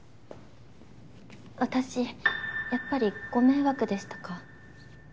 私やっぱりご迷惑でしたか？